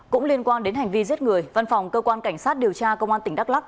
cũng liên quan đến hành vi giết người văn phòng cơ quan cảnh sát điều tra công an tỉnh đắk lắc